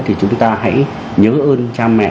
thì chúng ta hãy nhớ ơn cha mẹ